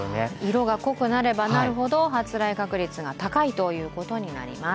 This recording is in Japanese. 色が濃くなればなるほど発雷確率が高いことになります。